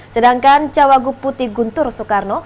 sedangkan cawagup putih guntur soekarno